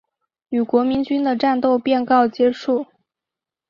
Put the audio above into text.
与国民军的战斗便告结束。